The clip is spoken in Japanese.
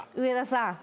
上田さん。